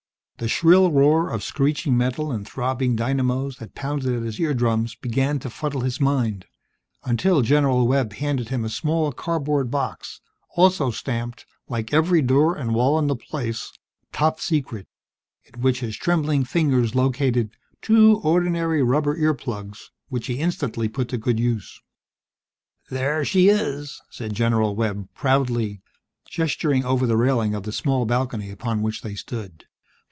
The shrill roar of screeching metal and throbbing dynamos that pounded at his eardrums began to fuddle his mind, until General Webb handed him a small cardboard box also stamped, like every door and wall in the place, "Top Secret" in which his trembling fingers located two ordinary rubber earplugs, which he instantly put to good use. "There she is!" said General Webb, proudly, gesturing over the railing of the small balcony upon which they stood.